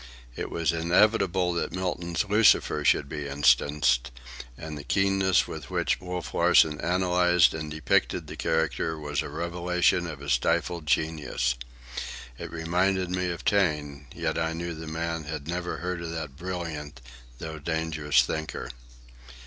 It was inevitable that Milton's Lucifer should be instanced, and the keenness with which Wolf Larsen analysed and depicted the character was a revelation of his stifled genius. It reminded me of Taine, yet I knew the man had never heard of that brilliant though dangerous thinker.